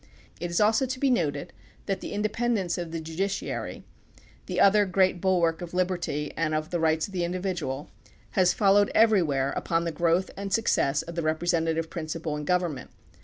It is also to be noted that the independence of the judiciary, the other great bulwark of liberty and of the rights of the individual, has followed every where upon the growth and success of the representa tive principle in government.